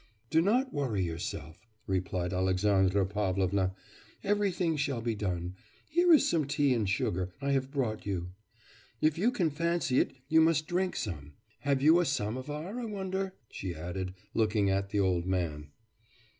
'Do not worry yourself,' replied Alexandra Pavlovna, 'everything shall be done. Here is some tea and sugar I have brought you. If you can fancy it you must drink some. Have you a samovar, I wonder?' she added, looking at the old man.